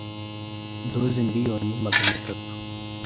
doze miliyoni Magana atatu